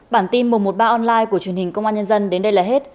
bản tin một trăm một mươi ba online của truyền hình công an nhân dân đến đây là hết